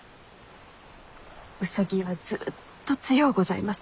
兎はずっと強うございます。